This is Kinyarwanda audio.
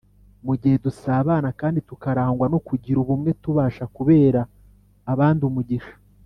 Mu gihe dusabana kandi tukarangwa no kugira ubumwe, tubasha kubera abandi umugisha